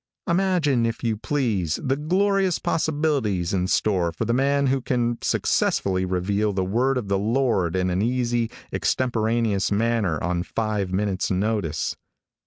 Imagine, if you please, the glorious possibilities in store for the man who can successfully reveal the word of the Lord in an easy, extemporaneous manner on five minutes notice.